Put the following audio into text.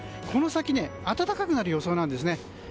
この先、暖かくなる予想なんです。